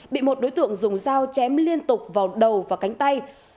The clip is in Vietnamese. bị một đối tượng dùng dao chém liên tục vào đầu và cánh tay